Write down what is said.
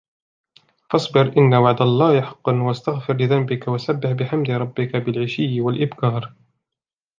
فَاصْبِرْ إِنَّ وَعْدَ اللَّهِ حَقٌّ وَاسْتَغْفِرْ لِذَنْبِكَ وَسَبِّحْ بِحَمْدِ رَبِّكَ بِالْعَشِيِّ وَالْإِبْكَارِ